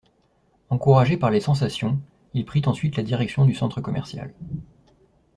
Encouragé par les sensations, il prit ensuite la direction du centre commercial.